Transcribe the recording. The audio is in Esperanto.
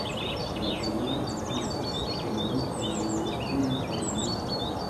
La unua enhavas la sonon en nur unu formato.